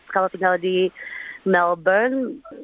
kalau tinggal di melbourne